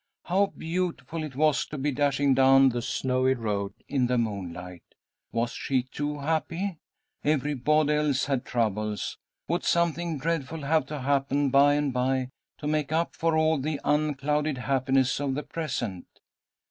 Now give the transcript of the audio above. How beautiful it was to be dashing down the snowy road in the moonlight! Was she too happy? Everybody else had troubles. Would something dreadful have to happen by and by, to make up for all the unclouded happiness of the present?